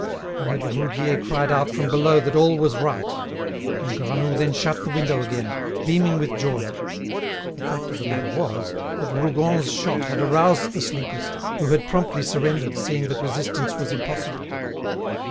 However, Roudier cried out from below that all was right. And Granoux then shut the window again, beaming with joy. The fact of the matter was, that Rougon's shot had aroused the sleepers, who had promptly surrendered, seeing that resistance was impossible.